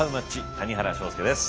谷原章介です。